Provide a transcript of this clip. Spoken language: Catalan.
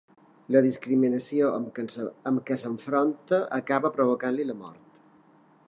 La discriminació amb què s'enfronta acaba provocant-li la mort.